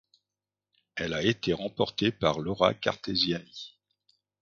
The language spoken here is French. Elle a été remportée par Laura Cartesiani.